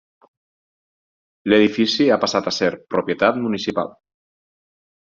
L'edifici ha passat a ser propietat municipal.